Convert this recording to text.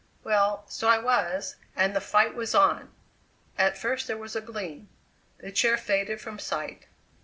Well, so I was; and the fight was on! At first there was a gleam the chair faded from sight.